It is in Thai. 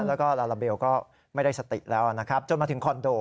แล้วก็ลาลาเบลก็ไม่ได้สติแล้วนะครับจนมาถึงคอนโด